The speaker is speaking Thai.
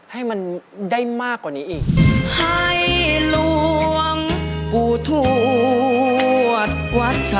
ให้มันได้มากกว่านี้อีก